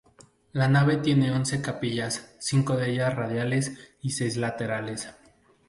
La nave tiene once capillas, cinco de ellas radiales y seis laterales.